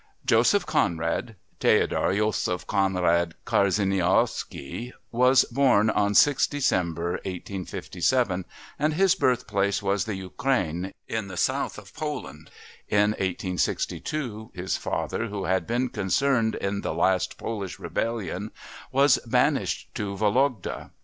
Joseph Conrad (Teodor Josef Konrad Karzeniowski) was born on 6th December 1857, and his birthplace was the Ukraine in the south of Poland. In 1862 his father, who had been concerned in the last Polish rebellion, was banished to Vologda.